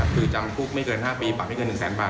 คือจำคุกไม่เกิน๕ปีปรับไม่เกิน๑แสนบาท